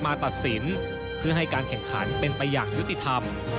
ตัดสินเพื่อให้การแข่งขันเป็นไปอย่างยุติธรรม